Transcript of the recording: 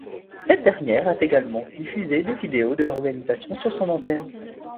Cette dernière a également diffusé des vidéos de l'organisation sur son antenne.